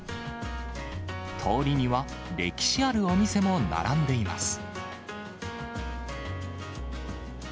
通りには歴史あるお店も並んでいます。